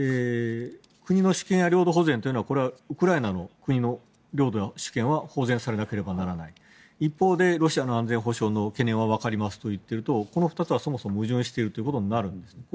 国の主権や領土保全はウクライナの国の領土の主権保全されなければならない一方でロシアの安全保障の懸念はわかりますと言っているとこの２つはそもそも矛盾しているということになるんです。